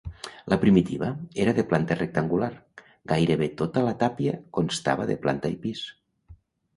La primitiva era de planta rectangular, gairebé tota la tàpia, constava de planta i pis.